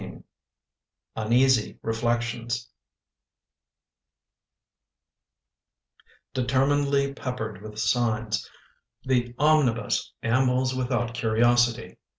UNEASY REFLECTIONS DETERMINEDLY peppered with signs, The omnibus ambles without curiosity.